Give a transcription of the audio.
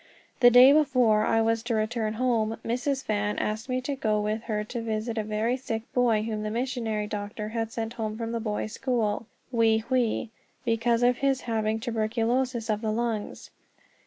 The day before I was to return home, Mrs. Fan asked me to go with her to visit a very sick boy whom the missionary doctor had sent home from the boys' school, Wei Hwei, because of his having tuberculosis of the lungs.